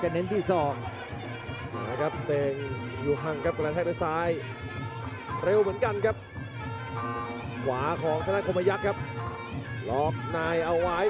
ก็ยับขอใช้มัตต์ซายกระแทกแย็บแล้วครับ